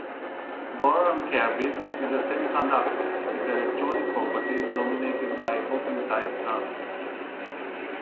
Boron carbide is a semiconductor, with electronic properties dominated by hopping-type transport.